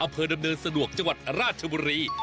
อำเภอดำเนินสะดวกจังหวัดราชบุรี